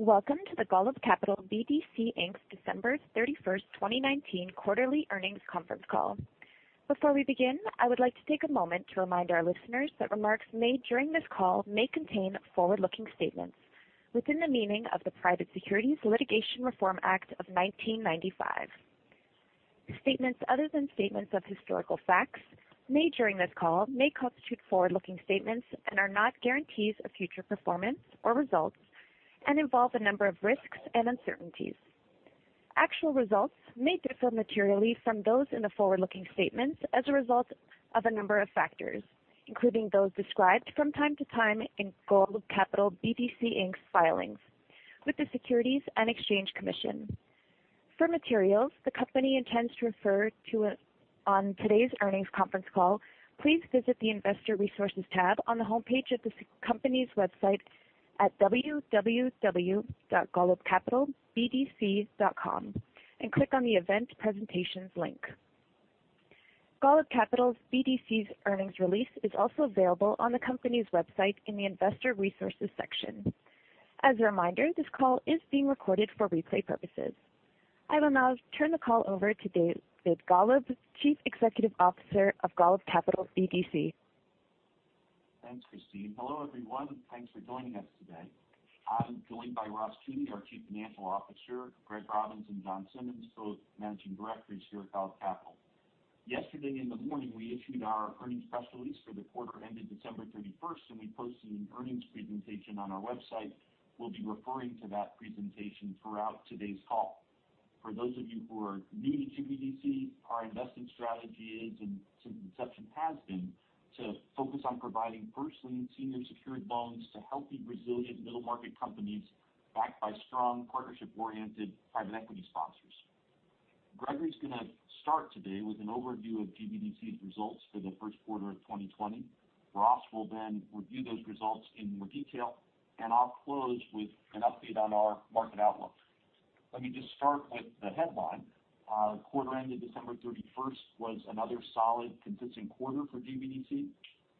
Welcome to the Golub Capital BDC Inc.'s December 31st, 2019 quarterly earnings conference call. Before we begin, I would like to take a moment to remind our listeners that remarks made during this call may contain forward-looking statements within the meaning of the Private Securities Litigation Reform Act of 1995. Statements other than statements of historical facts made during this call may constitute forward-looking statements and are not guarantees of future performance or results, and involve a number of risks and uncertainties. Actual results may differ materially from those in the forward-looking statements as a result of a number of factors, including those described from time to time in Golub Capital BDC Inc.'s filings with the Securities and Exchange Commission. For materials the company intends to refer to on today's earnings conference call, please visit the investor resources tab on the homepage of the company's website at www.golubcapitalbdc.com and click on the event presentations link. Golub Capital BDC's earnings release is also available on the company's website in the Investor resources section. As a reminder, this call is being recorded for replay purposes. I will now turn the call over to David Golub, Chief Executive Officer of Golub Capital BDC. Thanks, Christine. Hello, everyone. Thanks for joining us today. I'm joined by Ross Teune, our Chief Financial Officer, Gregory Robbins and Jonathan Simmons, both Managing Directors here at Golub Capital. Yesterday in the morning, we issued our earnings press release for the quarter ended December 31st, and we posted an earnings presentation on our website. We'll be referring to that presentation throughout today's call. For those of you who are new to GBDC, our investment strategy is, and since inception has been, to focus on providing first lien senior secured loans to healthy, resilient middle-market companies backed by strong partnership-oriented private equity sponsors. Gregory's going to start today with an overview of GBDC's results for the first quarter of 2020. Ross will then review those results in more detail, and I'll close with an update on our market outlook. Let me just start with the headline. Our quarter ended December 31st was another solid, consistent quarter for GBDC.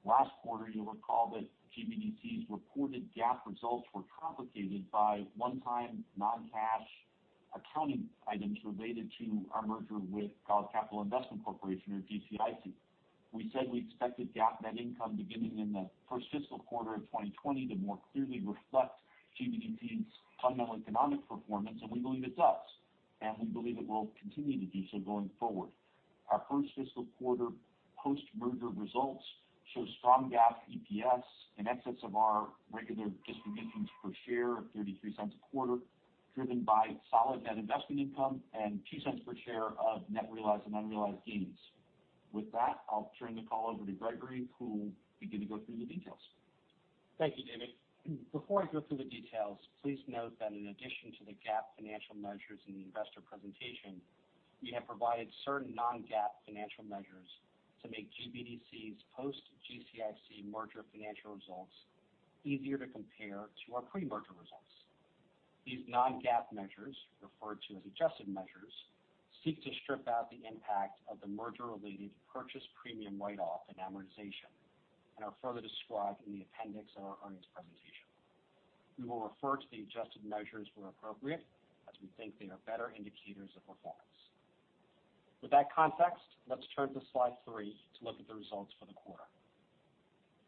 Last quarter, you'll recall that GBDC's reported GAAP results were complicated by one-time non-cash accounting items related to our merger with Golub Capital Investment Corporation, or GCIC. We said we expected GAAP net income beginning in the first fiscal quarter of 2020 to more clearly reflect GBDC's fundamental economic performance, and we believe it does, and we believe it will continue to do so going forward. Our first fiscal quarter post-merger results show strong GAAP EPS in excess of our regular distributions per share of $0.33 a quarter, driven by solid net investment income and $0.02 per share of net realized and unrealized gains. With that, I'll turn the call over to Gregory, who will begin to go through the details. Thank you, David. Before I go through the details, please note that in addition to the GAAP financial measures in the investor presentation, we have provided certain non-GAAP financial measures to make GBDC's post-GCIC merger financial results easier to compare to our pre-merger results. These non-GAAP measures, referred to as adjusted measures, seek to strip out the impact of the merger-related purchase premium write-off and amortization, and are further described in the appendix of our earnings presentation. We will refer to the adjusted measures where appropriate, as we think they are better indicators of performance. With that context, let's turn to slide three to look at the results for the quarter.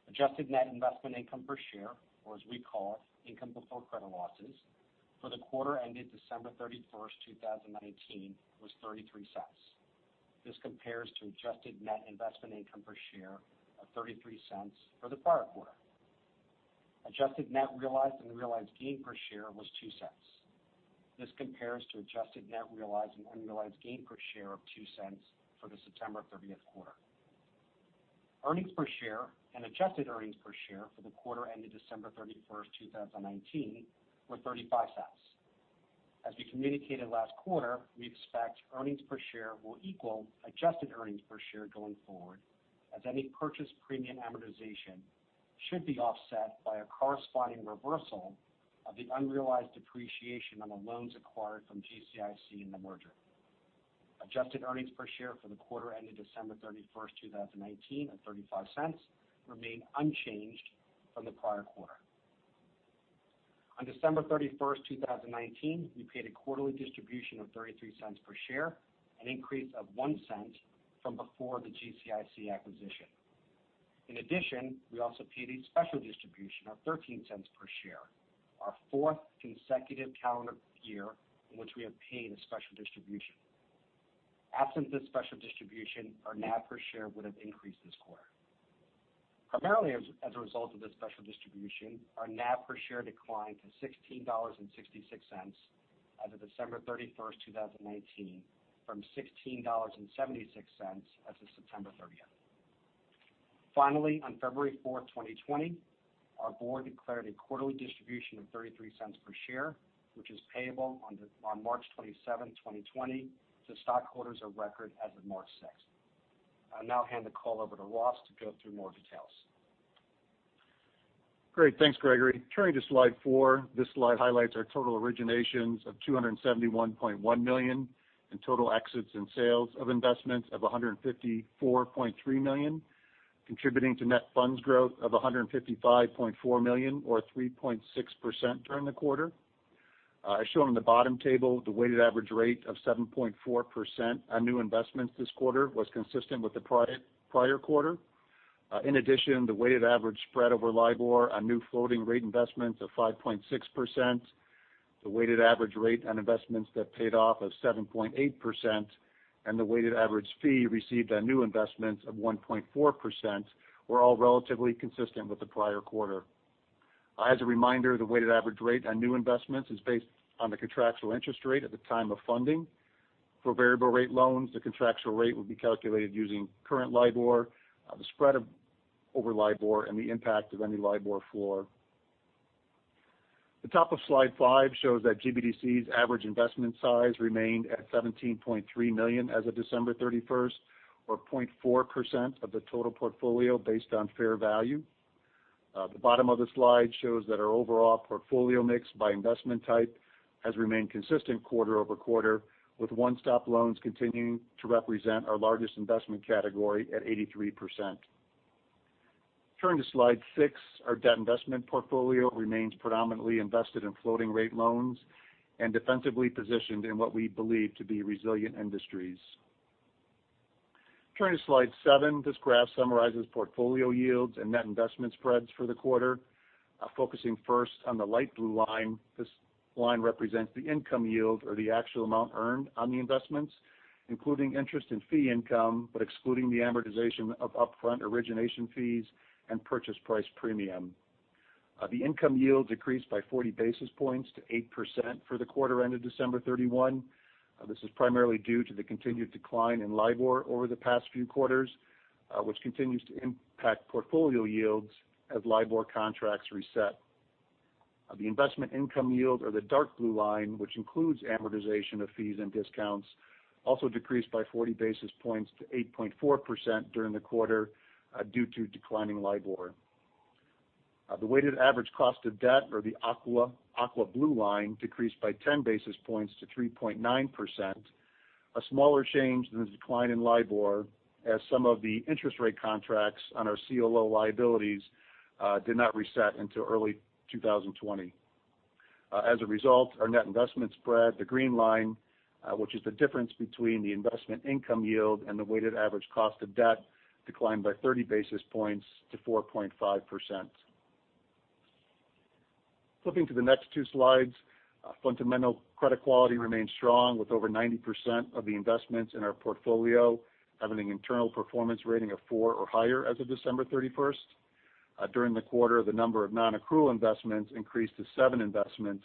Adjusted net investment income per share, or as we call it, income before credit losses, for the quarter ended December 31st, 2019, was $0.33. This compares to adjusted net investment income per share of $0.33 for the prior quarter. Adjusted net realized and unrealized gain per share was $0.02. This compares to adjusted net realized and unrealized gain per share of $0.02 for the September 30th quarter. Earnings per share and adjusted earnings per share for the quarter ended December 31st, 2019, were $0.35. As we communicated last quarter, we expect earnings per share will equal adjusted earnings per share going forward, as any purchase premium amortization should be offset by a corresponding reversal of the unrealized depreciation on the loans acquired from GCIC in the merger. Adjusted earnings per share for the quarter ended December 31st, 2019, at $0.35, remain unchanged from the prior quarter. On December 31st, 2019, we paid a quarterly distribution of $0.33 per share, an increase of $0.01 from before the GCIC acquisition. In addition, we also paid a special distribution of $0.13 per share, our fourth consecutive calendar year in which we have paid a special distribution. Absent this special distribution, our NAV per share would have increased this quarter. Primarily as a result of this special distribution, our NAV per share declined to $16.66 as of December 31st, 2019, from $16.76 as of September 30th. Finally, on February 4th, 2020, our board declared a quarterly distribution of $0.33 per share, which is payable on March 27th, 2020 to stockholders of record as of March 6th. I'll now hand the call over to Ross to go through more details. Great. Thanks, Gregory. Turning to slide four, this slide highlights our total originations of $271.1 million and total exits and sales of investments of $154.3 million, contributing to net funds growth of $155.4 million or 3.6% during the quarter. As shown on the bottom table, the weighted average rate of 7.4% on new investments this quarter was consistent with the prior quarter. In addition, the weighted average spread over LIBOR on new floating rate investments of 5.6%, the weighted average rate on investments that paid off of 7.8%, and the weighted average fee received on new investments of 1.4% were all relatively consistent with the prior quarter. As a reminder, the weighted average rate on new investments is based on the contractual interest rate at the time of funding. For variable rate loans, the contractual rate would be calculated using current LIBOR, the spread over LIBOR, and the impact of any LIBOR floor. The top of slide five shows that GBDC's average investment size remained at $17.3 million as of December 31st, or 0.4% of the total portfolio based on fair value. The bottom of the slide shows that our overall portfolio mix by investment type has remained consistent quarter-over-quarter, with one-stop loans continuing to represent our largest investment category at 83%. Turning to slide six. Our debt investment portfolio remains predominantly invested in floating rate loans and defensively positioned in what we believe to be resilient industries. Turning to slide seven. This graph summarizes portfolio yields and net investment spreads for the quarter. Focusing first on the light blue line. This line represents the income yield or the actual amount earned on the investments, including interest in fee income, but excluding the amortization of upfront origination fees and purchase price premium. The income yield decreased by 40 basis points to 8% for the quarter ended December 31. This is primarily due to the continued decline in LIBOR over the past few quarters, which continues to impact portfolio yields as LIBOR contracts reset. The investment income yield or the dark blue line, which includes amortization of fees and discounts, also decreased by 40 basis points to 8.4% during the quarter due to declining LIBOR. The weighted average cost of debt or the aqua blue line decreased by 10 basis points to 3.9%. A smaller change than the decline in LIBOR as some of the interest rate contracts on our CLO liabilities did not reset until early 2020. As a result, our net investment spread, the green line, which is the difference between the investment income yield and the weighted average cost of debt, declined by 30 basis points to 4.5%. Flipping to the next two slides. Fundamental credit quality remains strong, with over 90% of the investments in our portfolio having an internal performance rating of four or higher as of December 31st. During the quarter, the number of non-accrual investments increased to seven investments,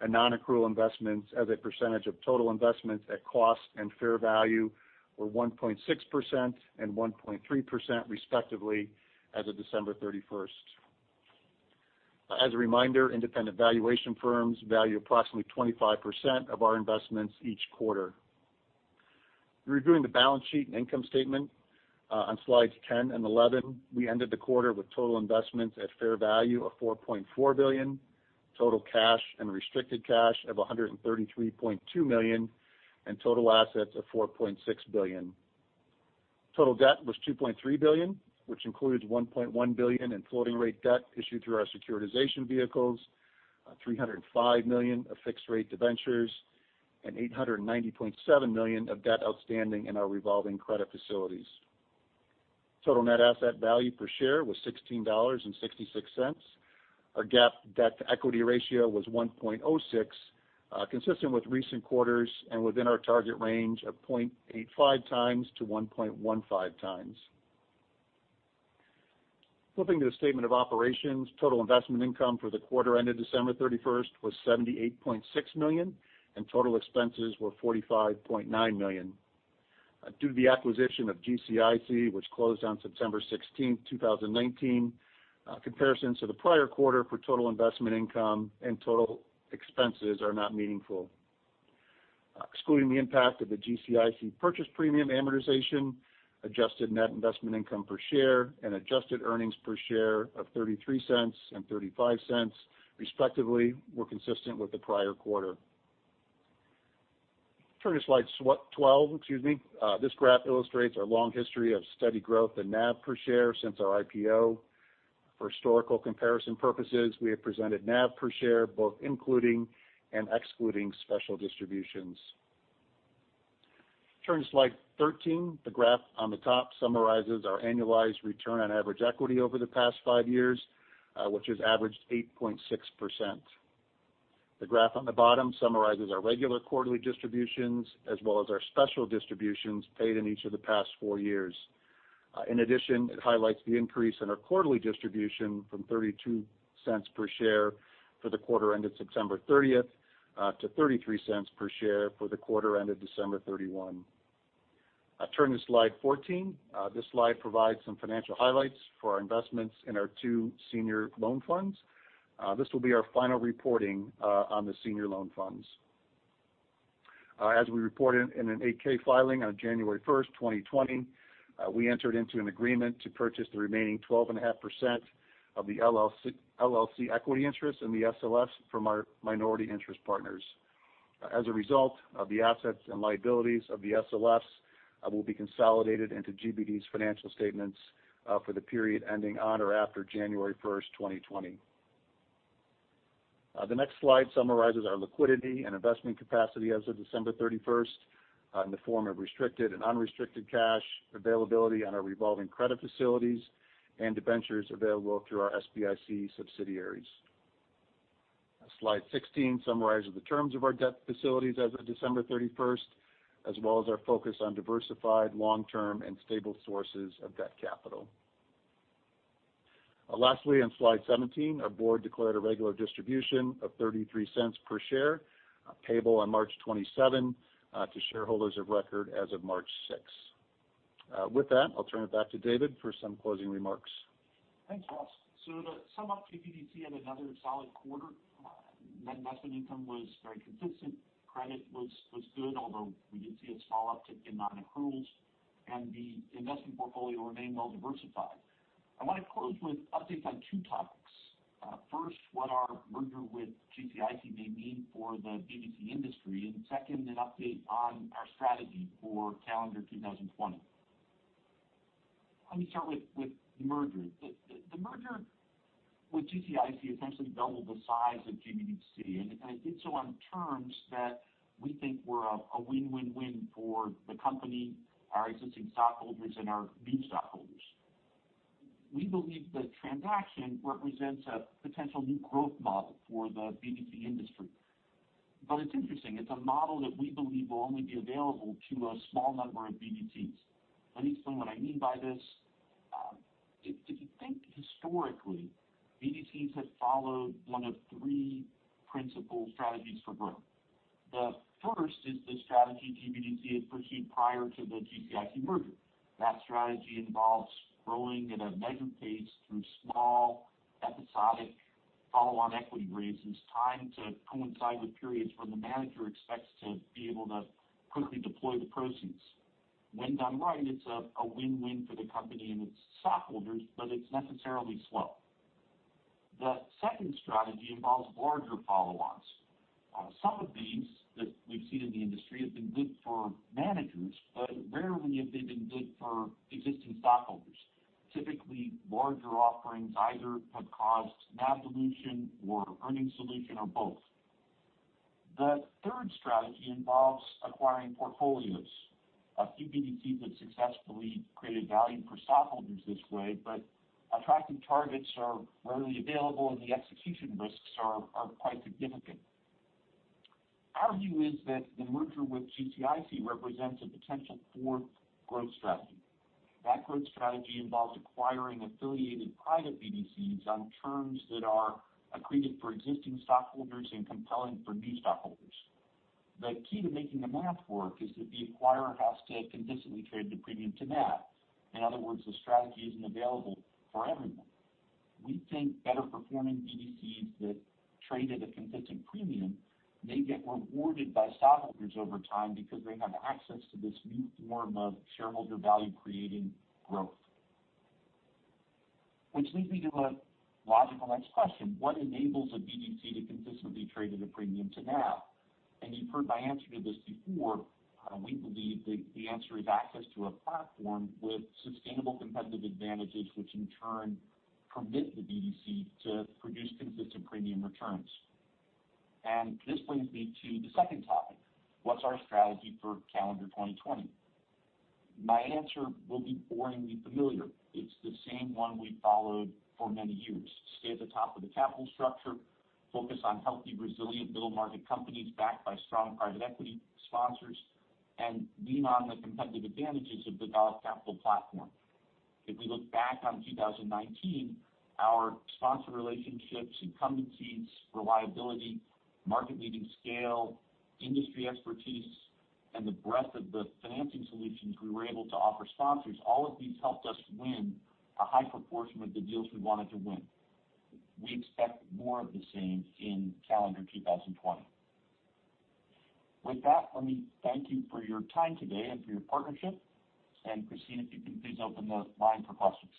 and non-accrual investments as a percentage of total investments at cost and fair value were 1.6% and 1.3% respectively as of December 31st. As a reminder, independent valuation firms value approximately 25% of our investments each quarter. Reviewing the balance sheet and income statement on slide 10 and slide 11. We ended the quarter with total investments at fair value of $4.4 billion, total cash and restricted cash of $133.2 million, and total assets of $4.6 billion. Total debt was $2.3 billion, which includes $1.1 billion in floating rate debt issued through our securitization vehicles, $305 million of fixed rate debentures, and $890.7 million of debt outstanding in our revolving credit facilities. Total net asset value per share was $16.66. Our GAAP debt-to-equity ratio was 1.06, consistent with recent quarters and within our target range of 0.85x-1.15x. Flipping to the statement of operations. Total investment income for the quarter ended December 31st was $78.6 million, and total expenses were $45.9 million. Due to the acquisition of GCIC, which closed on September 16th, 2019, comparisons to the prior quarter for total investment income and total expenses are not meaningful. Excluding the impact of the GCIC purchase premium amortization, adjusted net investment income per share, and adjusted earnings per share of $0.33 and $0.35 respectively were consistent with the prior quarter. Turning to slide 12. This graph illustrates our long history of steady growth in NAV per share since our IPO. For historical comparison purposes, we have presented NAV per share both including and excluding special distributions. Turning to slide 13. The graph on the top summarizes our annualized return on average equity over the past five years, which has averaged 8.6%. The graph on the bottom summarizes our regular quarterly distributions as well as our special distributions paid in each of the past four years. In addition, it highlights the increase in our quarterly distribution from $0.32 per share for the quarter ended September 30th to $0.33 per share for the quarter ended December 31. Turning to slide 14. This slide provides some financial highlights for our investments in our two senior loan funds. This will be our final reporting on the senior loan funds. As we reported in an 8-K filing on January 1st, 2020, we entered into an agreement to purchase the remaining 12.5% of the LLC equity interest in the SLF from our minority interest partners. And as a result, the assets and liabilities of the SLF will be consolidated into GBDC's financial statements for the period ending on or after January 1st, 2020. The next slide summarizes our liquidity and investment capacity as of December 31st in the form of restricted and unrestricted cash availability on our revolving credit facilities and debentures available through our SBIC subsidiaries. Slide 16 summarizes the terms of our debt facilities as of December 31st, as well as our focus on diversified, long-term, and stable sources of debt capital. Lastly, on slide 17, our board declared a regular distribution of $0.33 per share, payable on March 27 to shareholders of record as of March 6. With that, I'll turn it back to David for some closing remarks. Thanks, Ross. To sum up, GBDC had another solid quarter. Net investment income was very consistent. Credit was good, although we did see a small uptick in non-accruals, and the investment portfolio remained well-diversified. I want to close with updates on two topics. First, what our merger with GCIC may mean for the BDC industry, and second, an update on our strategy for calendar 2020. Let me start with the merger. The merger with GCIC essentially doubled the size of GBDC, and it did so on terms that we think were a win-win-win for the company, our existing stockholders, and our new stockholders. It's interesting. It's a model that we believe will only be available to a small number of BDCs. Let me explain what I mean by this. If you think historically, BDCs have followed one of three principal strategies for growth. The first is the strategy GBDC had pursued prior to the GCIC merger. That strategy involves growing at a measured pace through small, episodic follow-on equity raises, timed to coincide with periods when the manager expects to be able to quickly deploy the proceeds. When done right, it's a win-win for the company and its stockholders, but it's necessarily slow. The second strategy involves larger follow-ons. Some of these that we've seen in the industry have been good for managers, but rarely have they been good for existing stockholders. Typically, larger offerings either have caused NAV dilution or earnings dilution, or both. The third strategy involves acquiring portfolios. A few BDCs have successfully created value for stockholders this way, but attractive targets are rarely available, and the execution risks are quite significant. Our view is that the merger with GCIC represents a potential fourth growth strategy. That growth strategy involves acquiring affiliated private BDCs on terms that are accretive for existing stockholders and compelling for new stockholders. The key to making the math work is that the acquirer has to consistently trade at a premium to NAV. In other words, the strategy isn't available for everyone. We think better-performing BDCs that trade at a consistent premium may get rewarded by stockholders over time because they have access to this new form of shareholder value-creating growth. Which leads me to a logical next question: What enables a BDC to consistently trade at a premium to NAV? And you've heard my answer to this before. We believe the answer is access to a platform with sustainable competitive advantages, which in turn permit the BDC to produce consistent premium returns. This brings me to the second topic. What's our strategy for calendar 2020? My answer will be boringly familiar. It's the same one we've followed for many years. Stay at the top of the capital structure, focus on healthy, resilient middle-market companies backed by strong private equity sponsors, and lean on the competitive advantages of the Golub Capital platform. If we look back on 2019, our sponsor relationships, incumbencies, reliability, market-leading scale, industry expertise, and the breadth of the financing solutions we were able to offer sponsors, all of these helped us win a high proportion of the deals we wanted to win. We expect more of the same in calendar 2020. With that, let me thank you for your time today and for your partnership. And Christine, if you can please open the line for questions.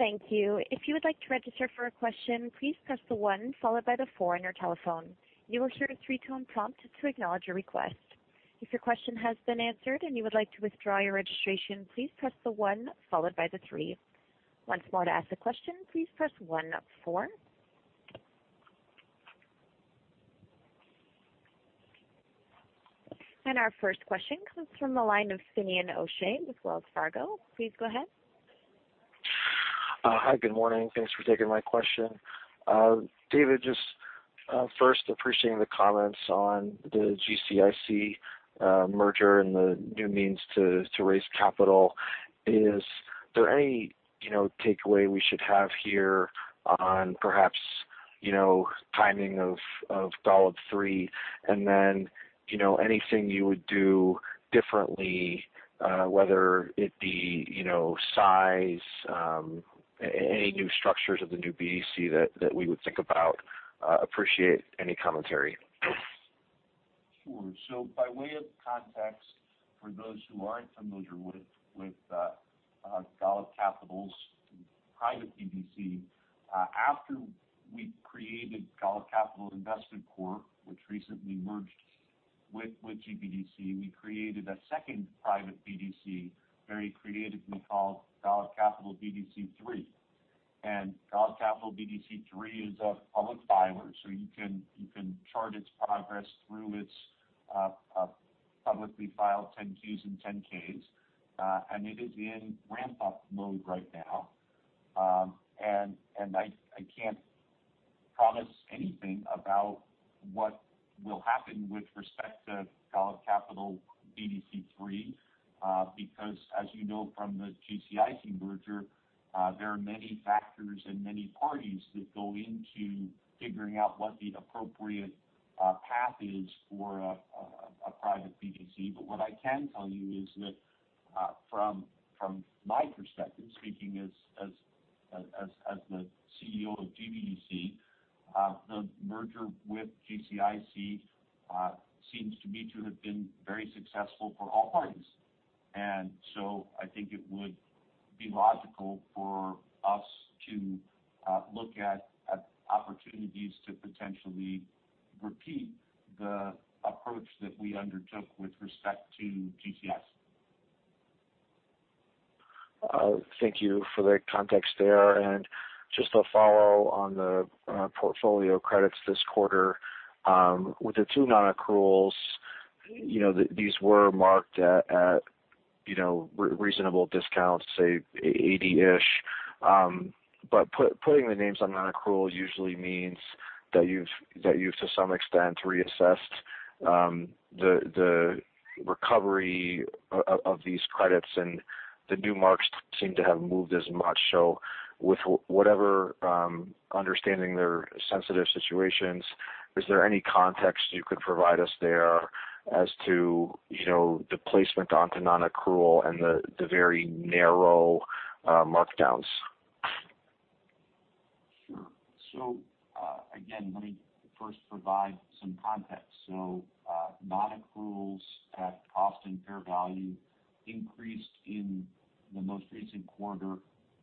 Thank you. If you would like to register for a question, please press the one followed by the four on your telephone. You will hear a three-tone prompt to acknowledge your request. If your question has been answered and you would like to withdraw your registration, please press the one followed by the three. Once more, to ask a question, please press one, four. Our first question comes from the line of Finian O'Shea with Wells Fargo. Please go ahead. Hi, good morning. Thanks for taking my question. David, just first, appreciating the comments on the GCIC merger and the new means to raise capital. Is there any takeaway we should have here on perhaps timing of Golub three? You know, anything you would do differently, whether it be size, any new structures of the new BDC that we would think about? Appreciate any commentary. Sure. By way of context, for those who aren't familiar with Golub Capital's private BDC, after we created Golub Capital Investment Corporation, which recently merged with GBDC, we created a second private BDC, very creatively called Golub Capital BDC III. Golub Capital BDC III is a public filer, so you can chart its progress through its publicly filed 10-Qs and 10-Ks. It is in ramp-up mode right now. I can't promise anything about what will happen with respect to Golub Capital BDC III, because as you know from the GCIC merger, there are many factors and many parties that go into figuring out what the appropriate path is for a private BDC. What I can tell you is that from my perspective, speaking as the CEO of GBDC, the merger with GCIC seems to me to have been very successful for all parties. So, I think it would be logical for us to look at opportunities to potentially repeat the approach that we undertook with respect to GCIC. Thank you for the context there. Just a follow on the portfolio credits this quarter. With the two non-accruals, these were marked at reasonable discounts, say 80-ish. But putting the names on non-accrual usually means that you've, to some extent, reassessed the recovery of these credits, and the new marks seem to have moved as much. With whatever understanding their sensitive situations, is there any context you could provide us there as to the placement onto non-accrual and the very narrow markdowns? Sure. Let me first provide some context. Non-accruals at cost and fair value increased in the most recent quarter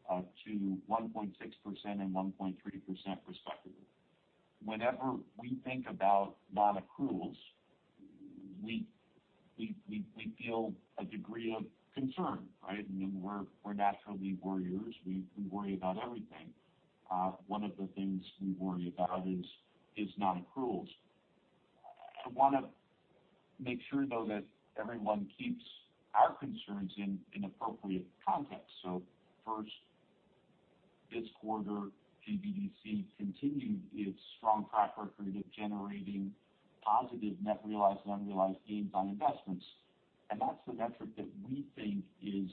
to 1.6% and 1.3% respectively. Whenever we think about non-accruals, we feel a degree of concern, right? We're naturally worriers. We worry about everything. One of the things we worry about is non-accruals. I want to make sure, though, that everyone keeps our concerns in appropriate context. First, this quarter, GBDC continued its strong track record of generating positive net realized and unrealized gains on investments. That's the metric that we think is,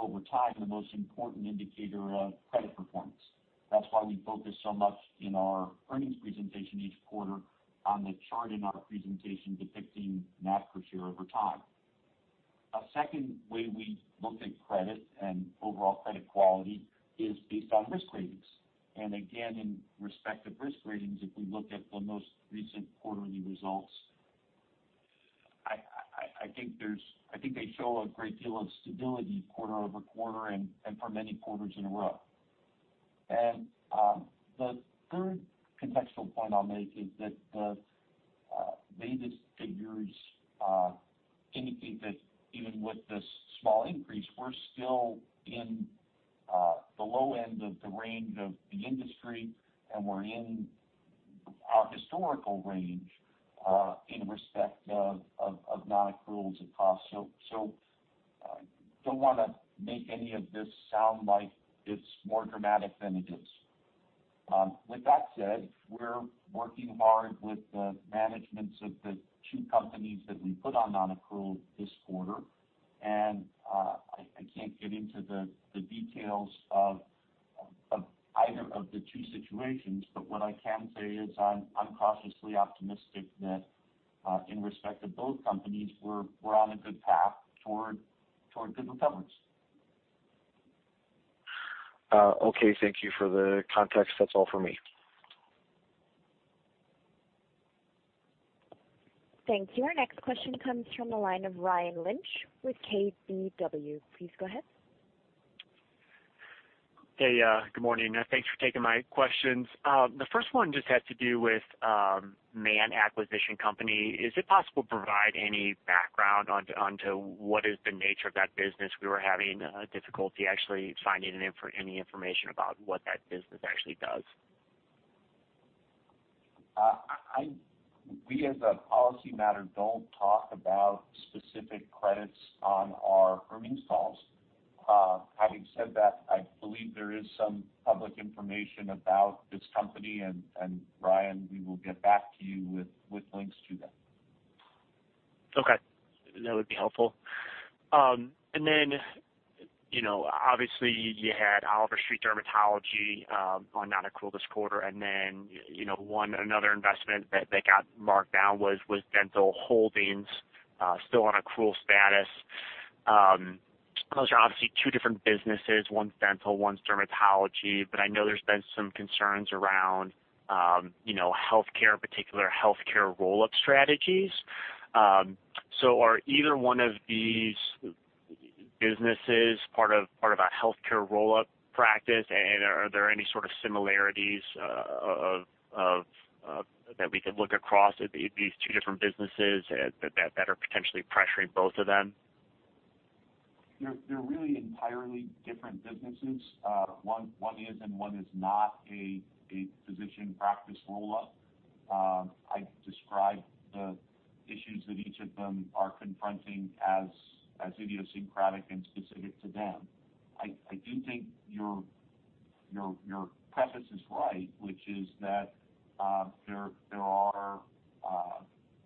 over time, the most important indicator of credit performance. That's why we focus so much in our earnings presentation each quarter on the chart in our presentation depicting NAV per share over time. A second way we look at credit and overall credit quality is based on risk ratings. Again, in respect of risk ratings, if we look at the most recent quarterly results, I think they show a great deal of stability quarter-over-quarter and for many quarters in a row. And the third contextual point I'll make is that the latest figures indicate that even with this small increase, we're still in the low end of the range of the industry, and we're in our historical range in respect of non-accruals and costs. I don't want to make any of this sound like it's more dramatic than it is. With that said, we're working hard with the managements of the two companies that we put on non-accrual this quarter, and I can't get into the details of either of the two situations. What I can say is I'm cautiously optimistic that in respect of both companies, we're on a good path toward good recovery. Okay. Thank you for the context. That's all for me. Thank you. Our next question comes from the line of Ryan Lynch with KBW. Please go ahead. Hey, good morning. Thanks for taking my questions. The first one just had to do with Mann Acquisition Company. Is it possible to provide any background onto what is the nature of that business? We were having difficulty actually finding any information about what that business actually does. We, as a policy matter, don't talk about specific credits on our earnings calls. Having said that, I believe there is some public information about this company. And Ryan, we will get back to you with links to that. Okay. That would be helpful. Obviously you had Oliver Street Dermatology on non-accrual this quarter, one other investment that got marked down was Dental Holdings, still on accrual status. Those are obviously two different businesses. One's dental, one's dermatology. I know there's been some concerns around healthcare, in particular, healthcare roll-up strategies. Are either one of these businesses part of a healthcare roll-up practice? Are there any sort of similarities that we could look across these two different businesses that are potentially pressuring both of them? They're really entirely different businesses. One is and one is not a physician practice roll-up. I describe the issues that each of them are confronting as idiosyncratic and specific to them. I do think your preface is right, which is that there are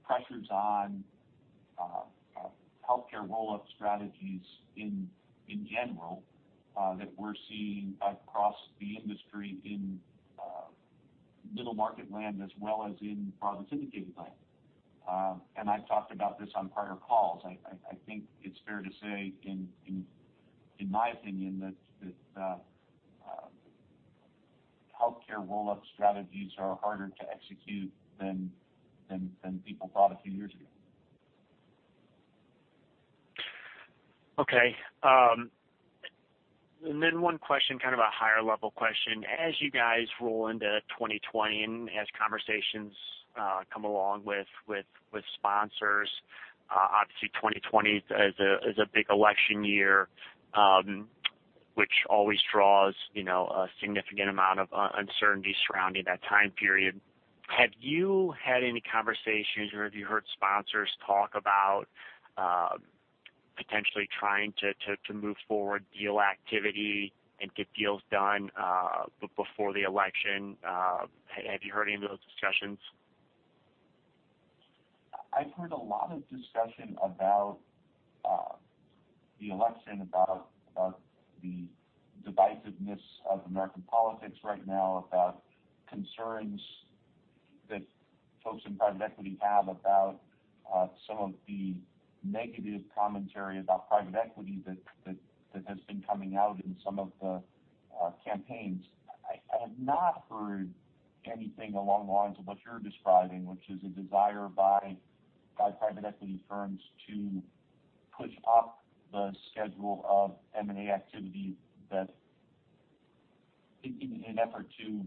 pressures on healthcare roll-up strategies in general that we're seeing across the industry in middle market land as well as in broadly syndicated land. I've talked about this on prior calls. I think it's fair to say, in my opinion, that healthcare roll-up strategies are harder to execute than people thought a few years ago. Okay. Then, one question, kind of a higher level question. As you guys roll into 2020 and as conversations come along with sponsors, obviously 2020 is a big election year, which always draws a significant amount of uncertainty surrounding that time period. Have you had any conversations or have you heard sponsors talk about potentially trying to move forward deal activity and get deals done before the election? Have you heard any of those discussions? I've heard a lot of discussion about the election, about the divisiveness of American politics right now, about concerns that folks in private equity have about some of the negative commentary about private equity that has been coming out in some of the campaigns. I have not heard anything along the lines of what you're describing, which is a desire by private equity firms to push up the schedule of M&A activity in an effort to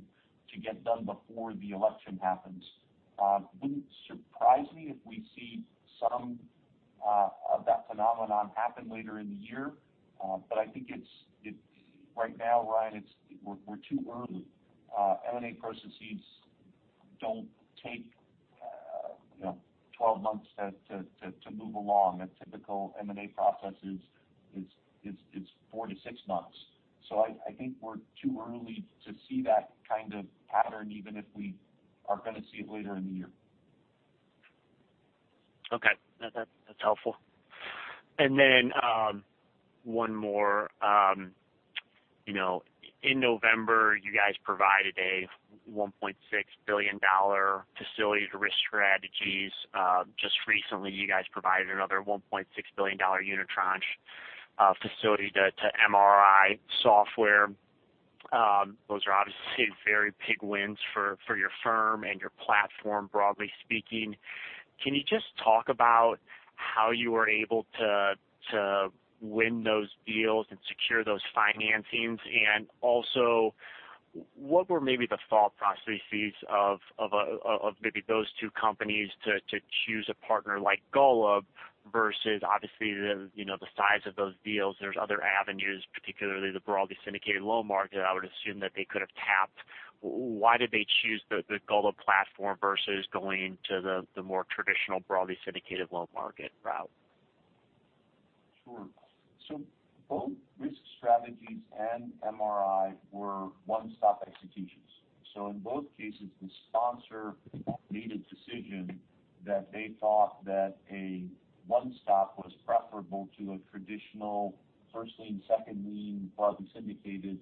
get done before the election happens. Wouldn't surprise me if we see some of that phenomenon happen later in the year. I think is right now, Ryan, we're too early. M&A processes don't take 12-months to move along. A typical M&A process is four to six months. I think we're too early to see that kind of pattern, even if we are going to see it later in the year. Okay. That's helpful. One more. In November, you guys provided a $1.6 billion facility to Risk Strategies. Just recently, you guys provided another $1.6 billion unitranche facility to MRI Software. Those are obviously very big wins for your firm and your platform, broadly speaking. Can you just talk about how you were able to win those deals and secure those financings? Also, what were maybe the thought processes of maybe those two companies to choose a partner like Golub versus obviously, the size of those deals, there's other avenues, particularly the broadly syndicated loan market I would assume that they could have tapped. Why did they choose the Golub platform versus going to the more traditional broadly syndicated loan market route? Sure. Both Risk Strategies and MRI were one-stop executions. In both cases, the sponsor made a decision that they thought that a one-stop was preferable to a traditional first lien, second lien, broadly syndicated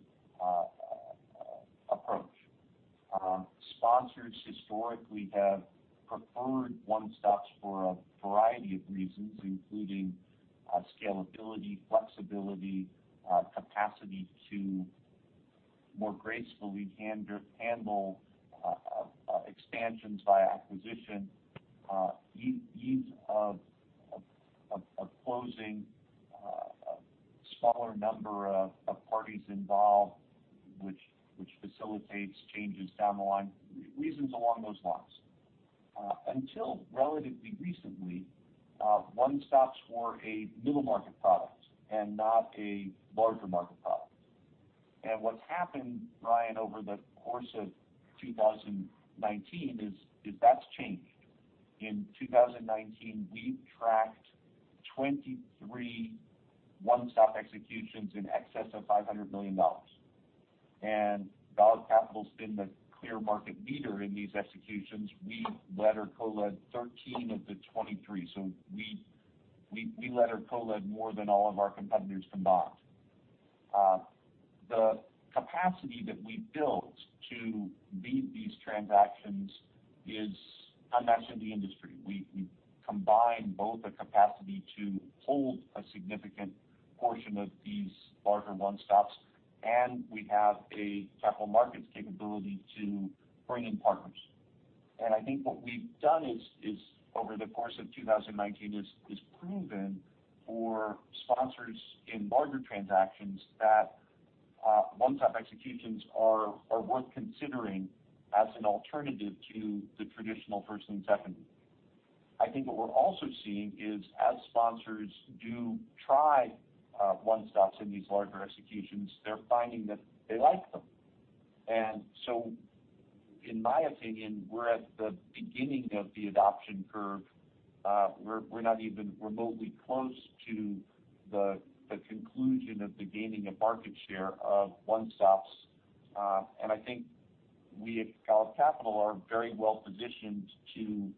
approach. Sponsors historically have preferred one-stops for a variety of reasons, including scalability, flexibility, capacity to more gracefully handle expansions via acquisition, ease of closing, a smaller number of parties involved which facilitates changes down the line, reasons along those lines. Until relatively recently, one-stops were a middle market product and not a larger market product. And what's happened, Ryan, over the course of 2019, is that's changed. In 2019, we tracked 23 one-stop executions in excess of $500 million. Golub Capital's been the clear market leader in these executions. We led or co-led 13 of the 23. We led or co-led more than all of our competitors combined. Capacity that we built to lead these transactions is unmatched in the industry. We combine both a capacity to hold a significant portion of these larger one-stops, and we have a capital markets capability to bring in partners. I think what we've done is, over the course of 2019, is proven for sponsors in larger transactions that one-stop executions are worth considering as an alternative to the traditional first lien second lien. I think what we're also seeing is as sponsors do try one-stops in these larger executions, they're finding that they like them. So in my opinion, we're at the beginning of the adoption curve. We're not even remotely close to the conclusion of the gaining of market share of one-stops. I think we at Golub Capital are very well positioned to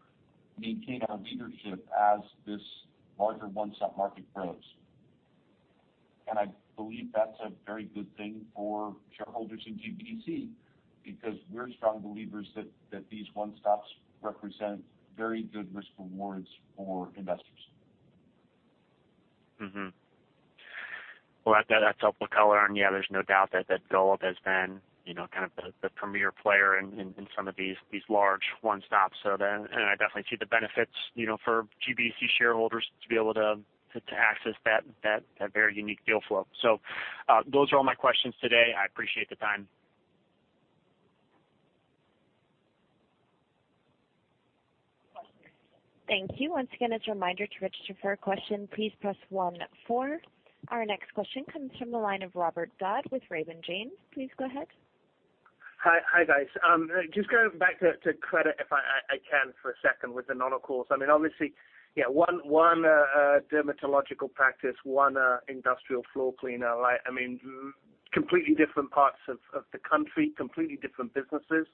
maintain our leadership as this larger one-stop market grows. I believe that's a very good thing for shareholders in GBDC because we're strong believers that these one-stops represent very good risk rewards for investors. Well, that's helpful color on, yeah, there's no doubt that Golub has been the premier player in some of these large one-stops. I definitely see the benefits for GBDC shareholders to be able to access that very unique deal flow. Those are all my questions today. I appreciate the time. Thank you. Once again, as a reminder to register for a question, please press one then four. Our next question comes from the line of Robert Dodd with Raymond James. Please go ahead. Hi, guys. Just going back to credit if I can for a second with the non-recourse. Obviously, one dermatological practice, one industrial floor cleaner. I mean, completely different parts of the country, completely different businesses.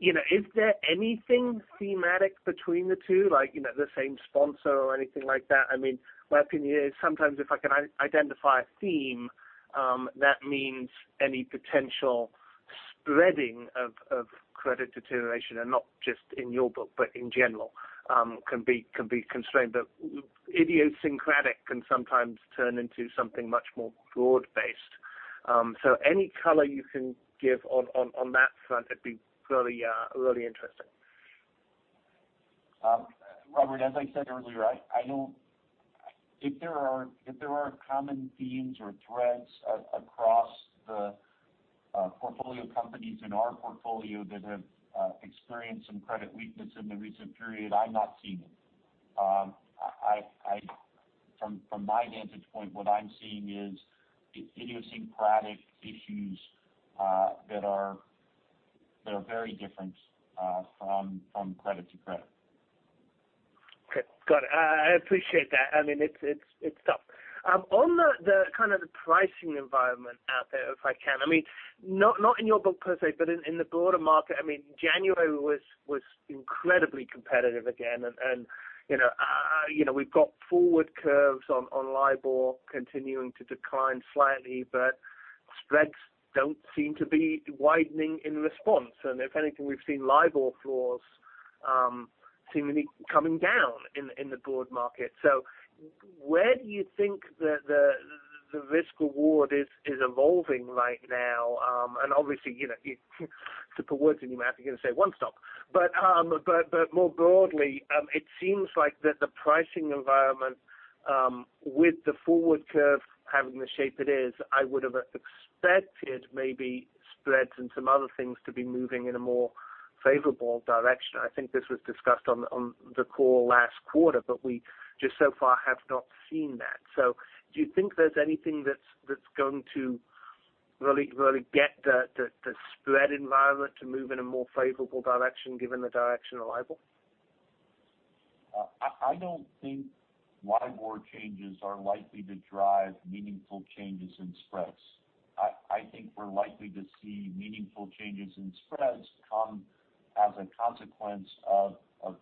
Is there anything thematic between the two, like the same sponsor or anything like that? My opinion is sometimes if I can identify a theme that means any potential spreading of credit deterioration and not just in your book but in general can be constrained. Idiosyncratic can sometimes turn into something much more broad-based. So, any color you can give on that front would be really interesting. Robert, as I said earlier, if there are common themes or threads across the portfolio companies in our portfolio that have experienced some credit weakness in the recent period, I'm not seeing it. From my vantage point, what I'm seeing is idiosyncratic issues that are very different from credit to credit. Okay, got it. I appreciate that. It's tough. On the kind of the pricing environment out there, if I can. Not in your book per se, but in the broader market. January was incredibly competitive again. We've got forward curves on LIBOR continuing to decline slightly, but spreads don't seem to be widening in response. If anything, we've seen LIBOR floors seemingly coming down in the broad market. Where do you think the risk reward is evolving right now? Obviously, to put words in your mouth, you're going to say one-stop. More broadly it seems like that the pricing environment with the forward curve having the shape it is, I would have expected maybe spreads and some other things to be moving in a more favorable direction. I think this was discussed on the call last quarter, but we just so far have not seen that. So, do you think there's anything that's going to really get the spread environment to move in a more favorable direction given the direction of LIBOR? I don't think LIBOR changes are likely to drive meaningful changes in spreads. I think we're likely to see meaningful changes in spreads come as a consequence of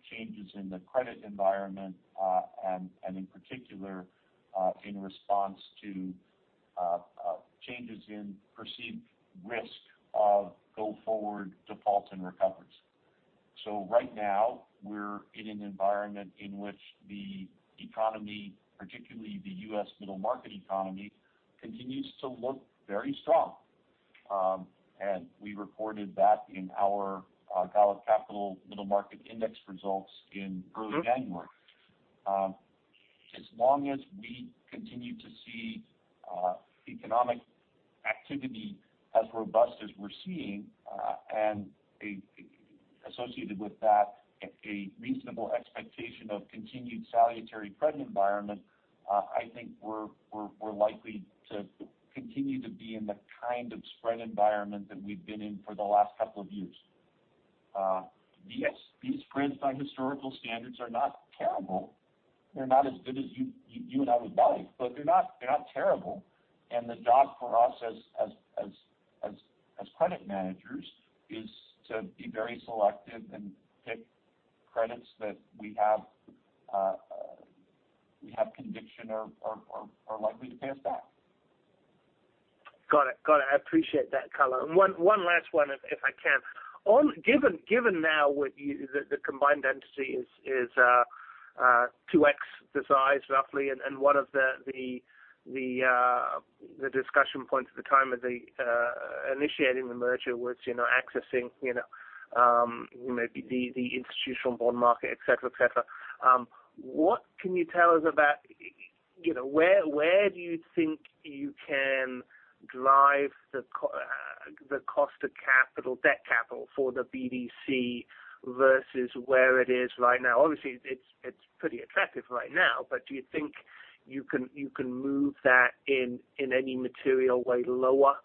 changes in the credit environment and in particular in response to changes in perceived risk of go forward default and recoveries. So, right now we're in an environment in which the economy, particularly the U.S. middle market economy, continues to look very strong. We reported that in our Golub Capital Middle Market Index results in early January. As long as we continue to see economic activity as robust as we're seeing and associated with that a reasonable expectation of continued salutary credit environment I think we're likely to continue to be in the kind of spread environment that we've been in for the last two years. These spreads by historical standards are not terrible. They're not as good as you and I would like, they're not terrible. The job for us as credit managers is to be very selective and pick credits that We have conviction or are likely to pay us back. Got it. I appreciate that color. One last one, if I can. Given now the combined entity is 2x the size roughly, and one of the discussion points at the time of the initiating the merger was accessing maybe the institutional bond market, et cetera. What can you tell us about where do you think you can drive the cost of capital, debt capital for the BDC versus where it is right now? Obviously, it's pretty attractive right now, but do you think you can move that in any material way lower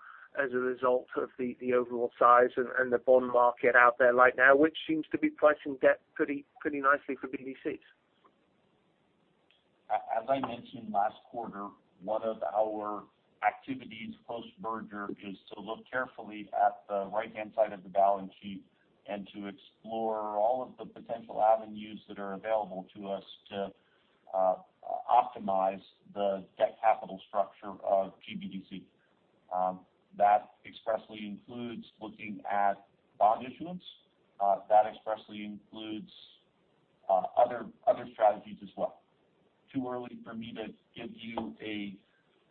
as a result of the overall size and the bond market out there right now, which seems to be pricing debt pretty nicely for BDCs? As I mentioned last quarter, one of our activities post-merger is to look carefully at the right-hand side of the balance sheet and to explore all of the potential avenues that are available to us to optimize the debt capital structure of GBDC. That expressly includes looking at bond issuance. That expressly includes other strategies as well. Too early for me to give you a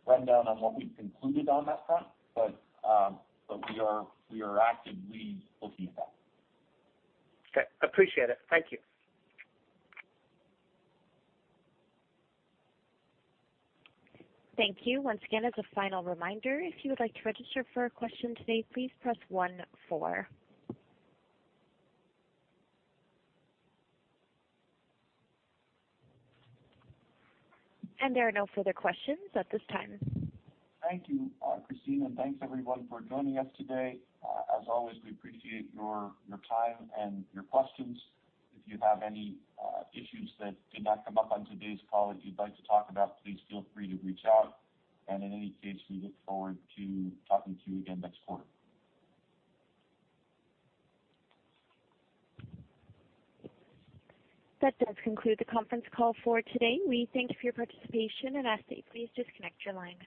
rundown on what we've concluded on that front. But we are actively looking at that. Okay. Appreciate it. Thank you. Thank you. Once again, as a final reminder, if you would like to register for a question today, please press one then four. There are no further questions at this time. Thank you, Christine, thanks everyone for joining us today. As always, we appreciate your time and your questions. If you have any issues that did not come up on today's call that you'd like to talk about, please feel free to reach out, and in any case, we look forward to talking to you again next quarter. That does conclude the conference call for today. We thank you for your participation and ask that you please disconnect your lines.